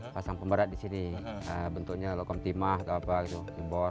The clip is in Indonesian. pasang pemberat di sini bentuknya lokom timah atau apa gitu